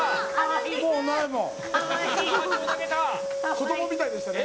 子供みたいでしたね。